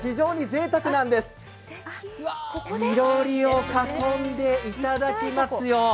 いろりを囲んでいただきますよ。